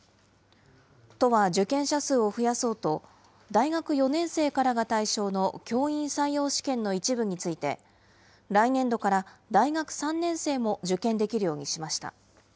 都は受験者数を増やそうと、大学４年生からが対象の教員採用試験の一部について、来年度から大学３年生も受験できるようにしました。